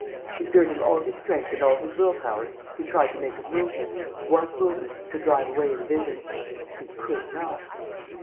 ..." Exerting all his strength and all his will power, he tried to make a movement, one movement, to drive away the vision. He could not.